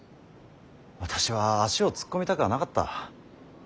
私は足を突っ込みたくはなかった。